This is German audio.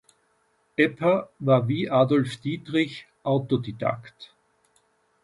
Epper war wie Adolf Dietrich Autodidakt.